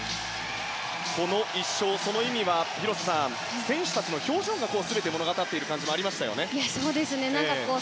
この１勝その意味は、広瀬さん選手たちの表情が全て物語っている感じがありましたね。